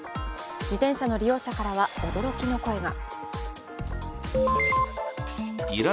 自転車の利用者からは驚きの声が。